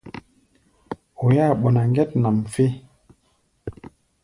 Oi-áa ɓɔná ŋgɛt nʼam fé.